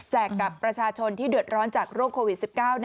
กับประชาชนที่เดือดร้อนจากโรคโควิด๑๙